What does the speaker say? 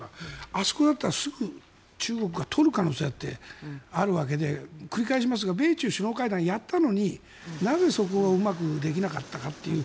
あそこだったらすぐ中国が取る可能性だってあるわけで繰り返しますが米中首脳会談をやったのになぜ、そこがうまくできなかったかという。